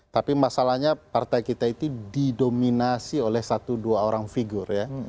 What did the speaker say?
tapi masalahnya partai kita itu didominasi oleh satu dua orang figur ya